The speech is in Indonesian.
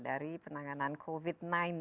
dari penanganan covid sembilan belas